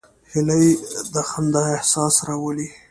هیلۍ د خندا احساس راولي